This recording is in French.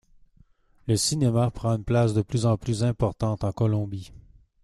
Le cinéma prend une place de plus en plus importante en Colombie.